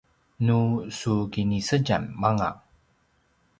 nu su kinisedjam anga